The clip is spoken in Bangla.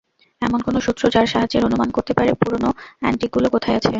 এমন কোনো সূত্র, যার সাহাযে্য অনুমান করতে পারে পুরোনো অ্যান্টিকগুলো কোথায় আছে।